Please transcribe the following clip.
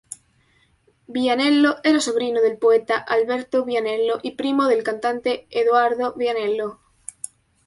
Vianello era sobrino del poeta Alberto Vianello y primo del cantante Edoardo Vianello.